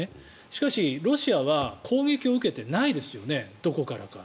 しかし、ロシアは攻撃を受けていないですよねどこからか。